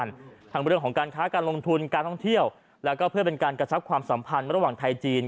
ทั้งเรื่องของการค้าการลงทุนการท่องเที่ยวแล้วก็เพื่อเป็นการกระชับความสัมพันธ์ระหว่างไทยจีน